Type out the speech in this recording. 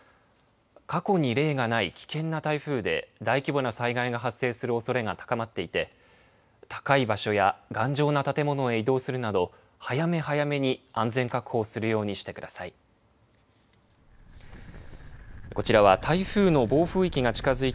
過去に例がない危険な台風で大規模な災害が発生するおそれが高まっていて高い場所や頑丈な建物へ移動するなど早め早めに安全確保をするようにしてください。